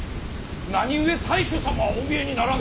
何故太守様はお見えにならぬ！